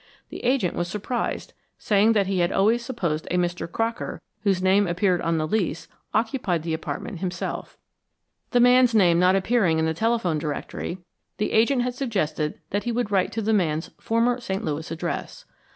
The agent was surprised, saying that he had always supposed a Mr. Crocker, whose name appeared on the lease, occupied the apartment himself. The man's name not appearing in the telephone directory, the agent had suggested that he would write to the man's former St. Louis address.